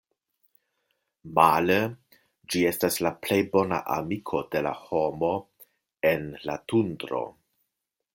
Male, ĝi estas la plej bona amiko de la homo en la Tundro.